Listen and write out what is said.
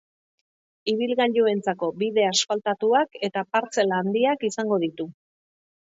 Ibilgailuentzako bide asfaltatuak eta partzela handiak izango ditu.